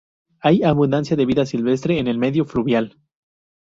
Hay abundancia de vida silvestre en el medio fluvial.